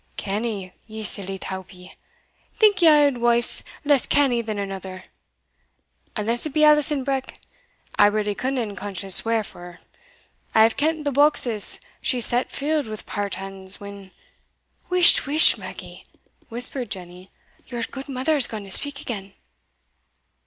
"Canny, ye silly tawpie! think ye ae auld wife's less canny than anither? unless it be Alison Breck I really couldna in conscience swear for her; I have kent the boxes she set fill'd wi' partans, when" "Whisht, whisht, Maggie," whispered Jenny "your gudemither's gaun to speak again."